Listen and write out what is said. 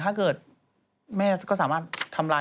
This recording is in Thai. ถ้าเกิดแม่ก็สามารถทำลาย